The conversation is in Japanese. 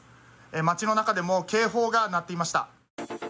街の中でも警報が鳴っていました。